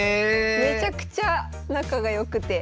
めちゃくちゃ仲が良くて。